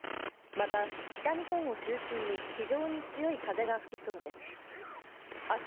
また、北日本を中心に非常に強い風が吹きそうです。